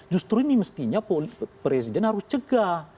justru ini mestinya presiden harus cegah